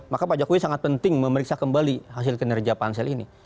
maka pak jokowi sangat penting memeriksa kembali hasil kinerja pansel ini